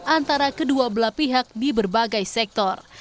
antara kedua belah pihak di berbagai sektor